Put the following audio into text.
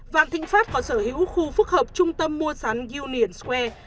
vạn thịnh pháp có sở hữu khu phức hợp trung tâm mua sắn union square